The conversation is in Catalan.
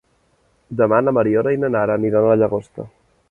Demà na Mariona i na Nara aniran a la Llagosta.